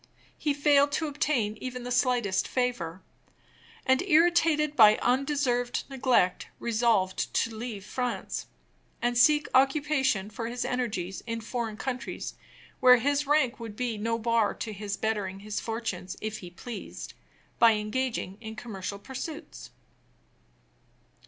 He failed to obtain even the slightest favor; and, irritated by undeserved neglect, resolved to leave France, and seek occupation for his energies in foreign countries, where his rank would be no bar to his bettering his fortunes, if he pleased, by engaging in commercial pursuits.